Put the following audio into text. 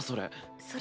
それ。